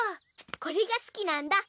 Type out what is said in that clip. これが好きなんだ。